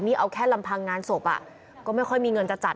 นี่เอาแค่ลำพังงานศพก็ไม่ค่อยมีเงินจะจัด